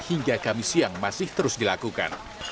hingga kami siang masih terus dilakukan